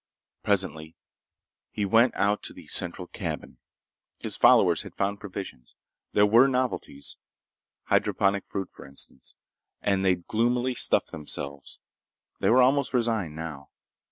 Presently he went out to the central cabin. His followers had found provisions. There were novelties—hydroponic fruit, for instance—and they'd gloomily stuffed themselves. They were almost resigned, now.